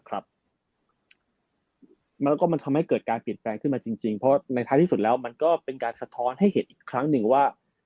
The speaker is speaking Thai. แล้วก็มันทำให้เกิดการเปลี่ยนแปลงขึ้นมาจริงเพราะในท้ายที่สุดแล้วมันก็เป็นการสะท้อนให้เห็นอีกครั้งหนึ่งว่า